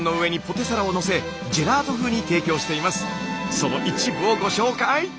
その一部をご紹介！